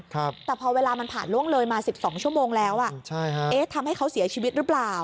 ครับแต่พอเวลามันผ่านล่วงเลยมาสิบสองชั่วโมงแล้วอ่ะใช่ฮะเอ๊ะทำให้เขาเสียชีวิตหรือเปล่า